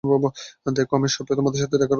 দেখো, আমি শপে তোমার সাথে দেখা করব।